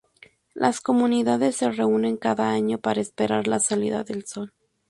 Las comunidades se reúnen cada año para esperar la salida del sol.